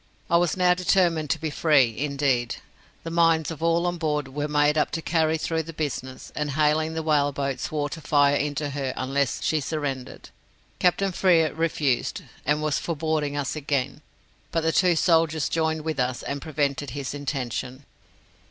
I was now determined to be free indeed, the minds of all on board were made up to carry through the business and hailing the whale boat, swore to fire into her unless she surrendered. Captain Frere refused, and was for boarding us again, but the two soldiers joined with us, and prevented his intention.